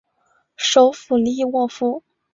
首府利沃夫。